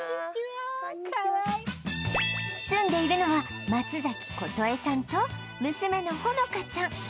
住んでいるのは松琴江さんと娘の帆乃花ちゃん